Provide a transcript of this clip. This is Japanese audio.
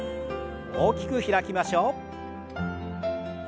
大きく開きましょう。